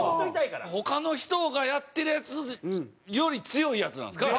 他の人がやってるやつより強いやつなんですか？